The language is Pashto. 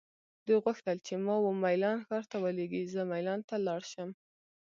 دوی غوښتل چې ما وه میلان ښار ته ولیږي، زه مېلان ته لاړ شم.